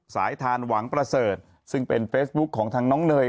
สายทานหวังประเสริฐซึ่งเป็นเฟซบุ๊คของทางน้องเนย